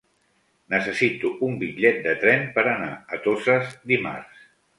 Necessito un bitllet de tren per anar a Toses dimarts.